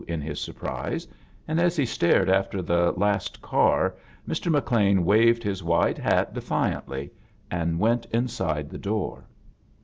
in his surprise, and as he stared after the last car Mr. McLean waved his wide hat de fiantly and went inside the door.